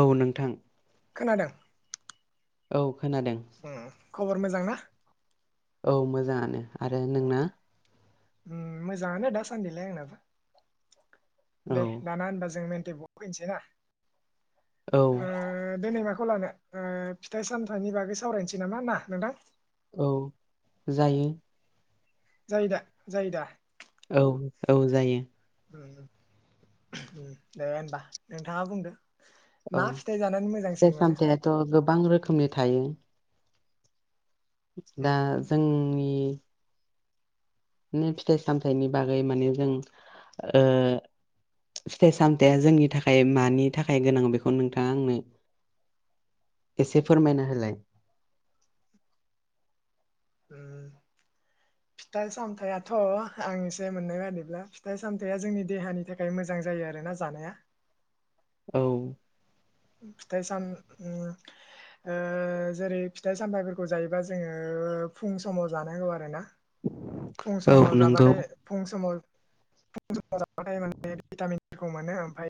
औ नोंथां खोनादों औ खोनादों उम खबर मोजां ना औ मोजांङानो आरो नोंना? उम मोजांङानो दासान्दिलाय आंनाबो औ दे दाना होनबा जों मेन दे बेआव फैनिसैना औ ओ देनै मा खौ लानो फिथाइ सामथाइनि बागै सावरायनोसै नामा ना नोंथां औ जायो जायो दा जायो दा। औ औ जायो। उम उम दे होनबा नोंथाङा बुंदो औ मा जानानै मोजांसिन फिथाइ मोनो सामथायाथ' गो बां रोखोमनि थायो उम दा जोंनि [inaudible] नि फिथाइ सामथायाइनि बागै माने जों ओ फिथाइ सामथाया जोंनि थाखाय मानि थाखाय गोनां बेखौ नोंथाङा आंनो एसे फोरमायना होलाय। उम फिथाइ सामथाइाथ' आं एसे मोननाय बादिब्ला फिथाइ सामथाइया जोंनि देहानि थाखाय मोजां जायो आरोना जानाया। औ फिथाइ साम उम ओ जेरै फिथाइ सामथायाइफोरखौ जायोबा जोङो फुं समाव जानांगौ आरोना फुं औ समाव नंगौ जाबाथाय फुं समाव फुं समाव जाबाथाय माने भितामिनफोरखौ मोनो ओमफ्राय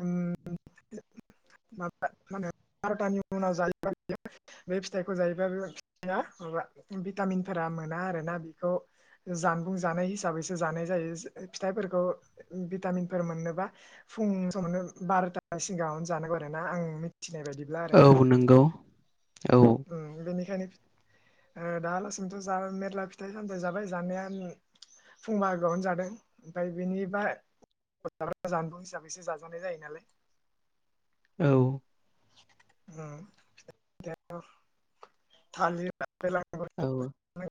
उम [inaudible] बारतानि उनाव जायोबा बियो बे फिथाइखौ जायोबा बे फिथाइया माबा भितामिनफोरा मोना आरोना बेखौ जानबुं जानाय हिसाबैसो जानाय जायो फिथाइफोरखौ भिटामिनफोर मोननोबा फुं समावनो बार'थानि सिगाङावनो जानांगौ आरो ना आं मि थिनाय बायदिब्ला औ आरोना नंगौ औ बेनिखायनो ओ दालासिमथ' जा मेर्ला फिथाइ सामथाइ जाबाय जानाया फुं बाहागोआवनो जादों ओमफ्राय बेनि बा जानबुं हिसाबैसो जाजानाय जायो नालाय औ उम [inaudible] थालिर, आपेल [inaudible] औ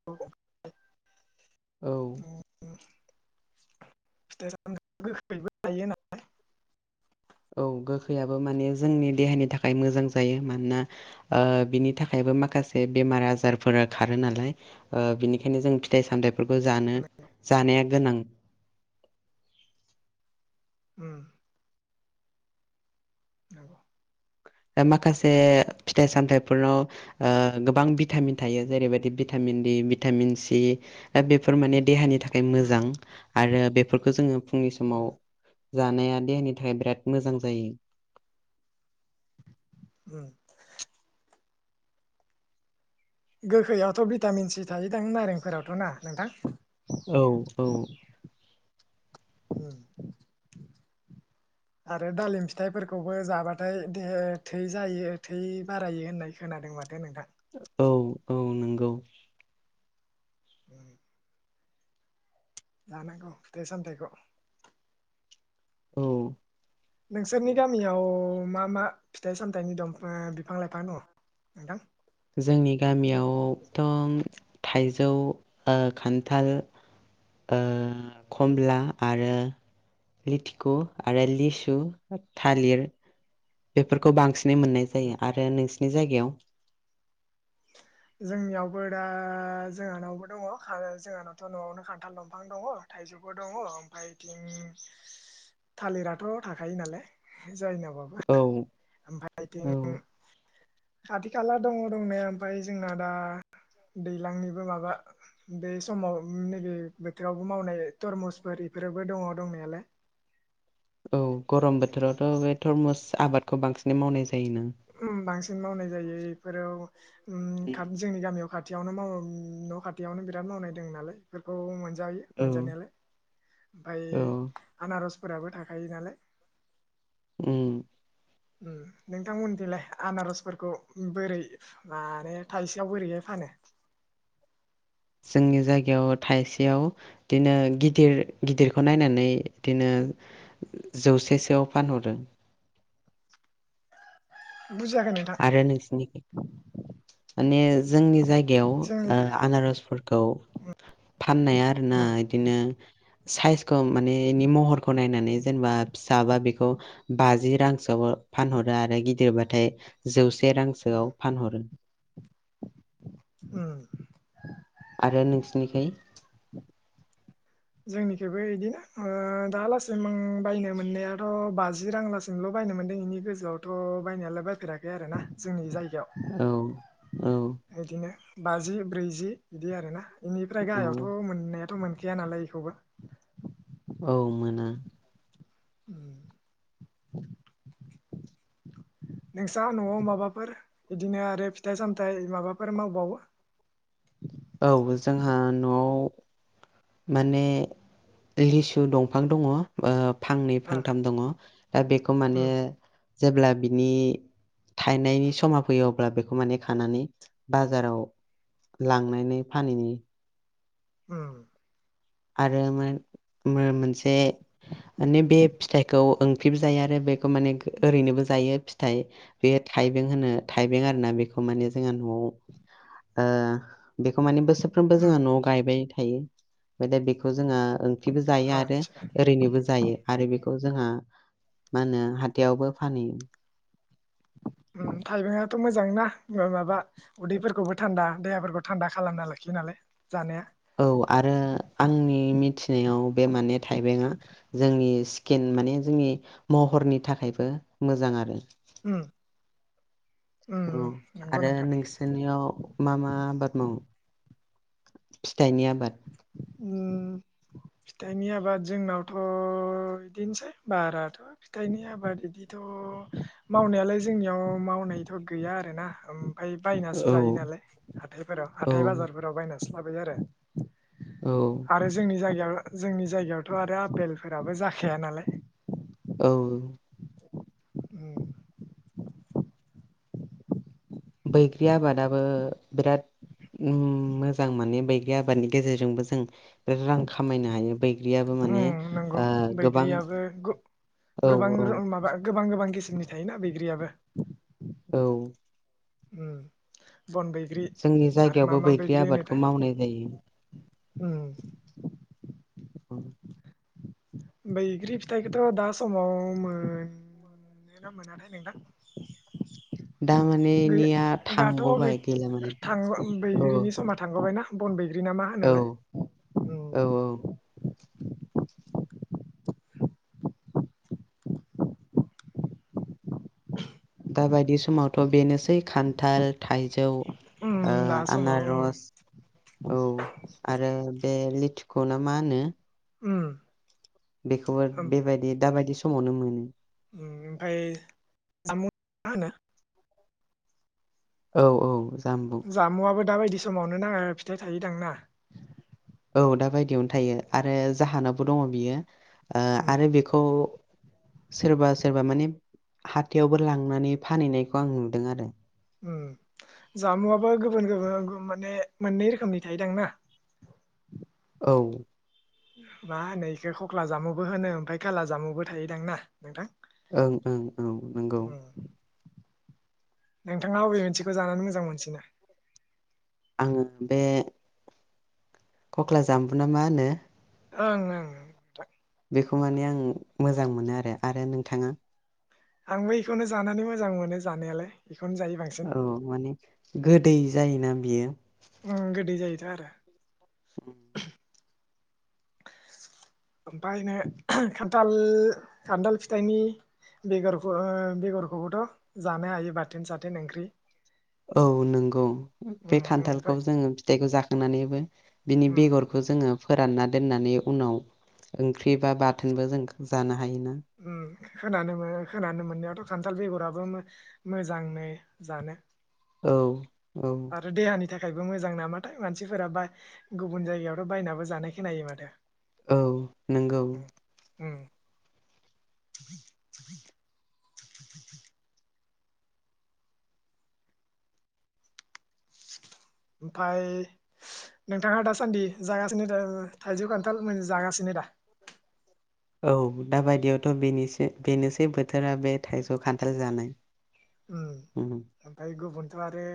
[inaudible] [inaudible] औ फिथाइ सामथाया गोखैबो थायो नालाय औ गोखैयाबो माने जोंनि देहानि थाखाय मोजां जायो मानोना ओ बिनि थाखायबो माखासे बेमार आजारफोरा खारो नालाय ओ बिनिखायनो जों फिथाइ सामथाइ फोरखौ जानो होनना जानाया गोनां उम नंगौ माखासे फिथाइ सामथाइफोरनाव ओ गोबां भिटामिन थायो जेरैबायदि भिटामिन दि भिटामिन सि बेफोर माने देहानि थाखाय मोजां उम आरो बे फोरखौ जोङो फुंनि उम समाव जानाया देहानि थाखाय बिराद मोजां जायो। उम गोखैआवथ भिटामिन सि थायोदां नारेंफोरावथ ना नोंथां औ औ उम आरो दालिम फिथाइफोरखौबो जाबाथाय देहाया थै जायो थै बारायो होननाय खोनादों माथो नोंथां औ औ नोंगौ। उम जानांगौ फिथाइ सामथाइखौ। औ। नोंसोरनि गामियाव मा मा फिथाइ सामथायाइनि दंफा- बिफां लाइफां दं नोंथां! जोंनि गामियाव थ। थाइजौ ओ खान्थाल ओ। उम खमला उम आरो। लिथिखु आरो लिसु थालिर बेफोरखौ बांसिन मोननाय जायो आरो नोंसोर नि जायगायाव जोंनियावबो दा जोंहानावबो दङ जोंहानावथ नआवनो खान्थाल दंफां दङ थाइजौबो दङ ओमफफ्राय बिथिं थालिराथ थाखायो नालाय जायनाव बो औ ओमफाय औ इथिं खाथि खाला दङ दंनाय ओमफाय जोंना दा दैज्लांनिबो माबा बे समाव नैबे बोथोरावबो मावनाय तरमुसबादि फोराबो दङ दंनायालाय औ गरम बोथोरावथ बे थरमुस आबादखौ बांसिन मावनाय जायो। उम बांसिन मावनाय जायो। बेफोराव उम थाब जोंनि गामियाव खार खाथियावनो मावो उम न' खाथियावनो बिराद मावनाय दङ नालाय बेफोरखौ मोनस जायो औ मोनजानायालाय ओमफाय औ आनार फोराबो थाखायो नालाय। उम। उम नोंथांमोनखैलाय आनारसफोरखौ बोरै माने थाइसेयाव बोरैहाय फानो? [inaudible] जोंनि जायगायाव थाइसेयाव इदिनो गिदिर गिदिरखौ नायनानै इदिनो जौसेसोआव फानहरो। बुजियाखै नोंथां आरो नोंसिनिखै माने जोंनि जायगायाव ओ जोंनिखै आनारसफोरखौ फाननाया आरोना उम इदिनो साइजखौ माने बेनि महरखौ नायनानै जेनेबा फिसाबा बेखौ बाजि रांसोआवओ फानहरो आरो गिदिरबाथाय जौस से रांसोआव फानहरो। ‌ उम। आरो नोंसिनिखै? जोंनिखैबो इदिनो ओ दालासिम आं बायनो मोननायाथ' बाजि रांलासिमल' बायनो मोनदों बेनि गोजौआवथ' बायनायालाय बायफेराखै आरोना जोंनि जाय गायाव औ औ इदिनो बाजि ब्रैजि बिदि आरोना। बेनिफ्राय औ गाहायावथ' मोननाया मोनखाया नालाय। खौबो। औ मोना। नोंसा न'आव माबाफोर इदिनो आरो फिथाइ सामथाय माबाफोर मावबावो? औ जोंहा न'आव माने लिसु दंफां दङ ओ फांनै ओ फांथाम दङ दा बेखौ माने उम जेब्ला बिनि थायनायनि समा फैयो अब्ला बेखौ माने खानानै बाजाराव लां नानै फानैयो उम। आरो मोन मो मोन से माने बे फिथाइखौ ओंख्रिबो जायो आरो बेखौ माने गो ओरैनोबो जायो फिथाइ बेयो थाइबें होनो थाइबें आरोना बेखौ माने जोंहा न'आव ओ बेखौ माने बोसोरफ्रोमबो उम जोंहा न'आव गायबाय थायो। ओमफ्राय दा बेखौ जोंङा ओंख्रिबो जायो आरो आदसा ओरैनोबो जायो आरो बे खौ जोंहा मा होनो हाथाइयावबो फानहैयो। उम थाइबेंआथ' मोजांना उम माबा उदैफोरखौबो थान्दा देहाफोरखौ थान्दा खालामना लाखियो नालाय जानाया औ आरो आंनि मिथिनायाव बे माने थाइबेंआ जोंनि स्किन माने जोंनि महरनि थाखायबो मोजां आरो। उम। उम औ नंगौ आरो नोंथां नोंसोरनियाव मा मा आबाद मावो थाइनि आबाद? ओम फिथाइनि आबाद जोंनावथ' बिदिनोसै बाराथ' फिथाइनि आबाद बिदिथ' मावनायालाय जोंनियाव मावनायथ' गैया आरोना ओम फ्राय बायनासो औ जायो नालाय हाथायफोराव हाथाय औ बाजारफोराव बायनानै स्लाबाय आरो औ आरो जोंनि जायगायाव जोंनि जायगायावथ' आरो आपेलफोराबो जाखाया नालाय। औ। उम। बैग्रि आबादाबो बिराद मोजां उम माने बैग्रि आबादनि गेजेरजोंबो जों बिराद रां खामायनो हायो बैग्रियाबो उम माने ओ गोबां बैग्रियाबो गो औ गोबां औ रो माबा गोबां गोबां किसिमनि थायोना बैग्रियाबो। औ। उम। बन बैग्रि जोंनि आरो मा जायगायावबो मा बैग्रि आबादखौ होनोथाय मावनाय जायो। उम। औ बैग्रि फिथाइखौथ' दा समाव मोनोना मोनाथाय नोंथां? दा माने गै- इनिया दाथ' गै- थांग'बाय गैला माने थां औ। बैग्रिनि समा थांग'बायना बन बै ग्रिना मा औ होनोलाय? औ उम। दाबादि समावथ' बेनोसै खान्थाल थाइजौ उम ओ दा समाव आनार'स औ आरो बे लि थिख'ना मा होनो? [inaudible] बेखौबो ओमफ्राय बेबादि दाबादि स समावनो मोनो। ओमफाय जामु मा होनो? औ औ। जामबुं जामुवाबो दाबायदि समावनो नाङा फिथाइ थायोदांना? औ दाबादियावनो थायो आरो जाहानावबो दङ बियो। ओ आरो बेखौ सोरबा सोरबा माने हाथायावबो लांनानै फानहैनायखौ आं नुदों आरो। उम जामुआबो गोबोन गोबोन माने मोननै रोखोमनि थायोदां ना? औ। मा होनो इखौ खख्ला जामुबो होनो ओमफाय खाला जामुबो थायोदां ना नोंथां? ओं ओं औ नंगौ। उम नोंथाङा अबे मोनसेखौ जानानै मोजां मोनसिनो? आङो बे खख्ला जामबुना मा होनो? ओं ओं [unintelligible] बेखौ माने आं मोजां मोनो आरो। आरो नोंथाङा? आंबो इखौनो जानानै मोजां मोनो जानायालाय। बेखौनो जायो बांसिन औ माने गोदै जायोना बियो। ओं गोदै जायोथ' आरो। ओमफाय नो खान्थाल खान्थाल फिथाइनि बेगरफो ओ बेगरखौबोथ' जानो हायो बाथोन साथोन ओंख्रि। औ नंगौ। उम बे खान्थालखौ ओमफ्राय जोङो फिथाइखौ जा नानैबो बिनि उम बेगरखौ जोङो फोरानना दोननानै उनाव ओंख्रि बा बाथोनबो जों जाना उम खानानो मो खोनानो मोननायावथ' खान्थाल बेगरा बो मोजांनो जानो। औ। औ आरो देहानि था खायबो मोजां नामाथाय, मानसिफोरा बा गुबुन जायगायावथ' बायनाबो जानाय खोनायो माथो। औ नोंगौ उ [inaudible] ओमफाय नोंथाङा दासान्दि जागासिनो दा थाइजौ खान्थाल जागासिनो दा? औ दाबायदियावथ' बेनेसे बेनोसै बोथोरा बे थाइजौ खान्थाल जानाय। ओमफ्राय गुबुन थ' आरो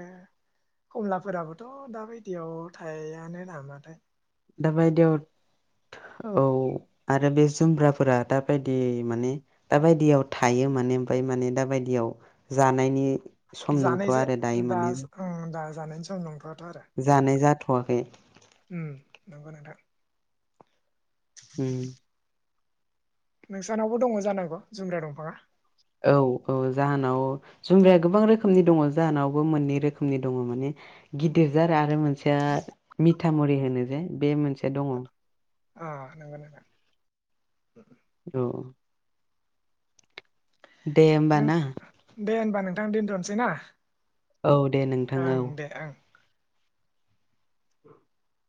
खमलाफोराबोथ' दा बायदियाव थायानो नामाथाय? दाबायदियाव औ आरो बे जुमब्राफोरा दाबायदि माने दाबायदियाव थायो माने ओमफ्राय माने दाबायदियाव जानायनि सम [unintelligible] नंथ'आ आरो दायो माने दास उम दास जानायनि सम नंथ'या दा। जानाय जाथ'वाखै। उम नंगौ नोंथां। उम [inaudible] नोंसानावबो दङ जानांगौ जुमब्रा दंफाङा? औ औ जाहानाव जुम्ब्राया गोबां रोखोमनि दङ जाहानावबो मोननै रोखोमनि दङ माने गिदिर जार आरो मोनसेया मिथा मरि होनो। [unintelligible] बे मोनसे दङ औ ओ नोंगौ ना [unintelligible] [inaudible] औ। दे होमबा नों ना। दे होनबा नोंथां दोनथ'नोसै ना। औ दे नोंथां औ। ओं दे ओं [inaudible]